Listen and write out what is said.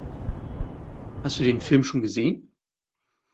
Hast du den Film schon gesehen?